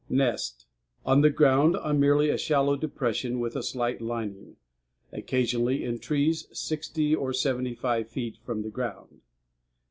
NEST On the ground, on merely a shallow depression with a slight lining; occasionally in trees, sixty or seventy five feet from the ground.